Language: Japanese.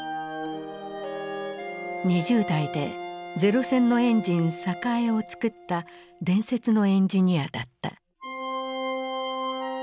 ２０代で零戦のエンジン栄をつくった伝説のエンジニアだった。